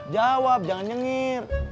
jawab jangan nyengir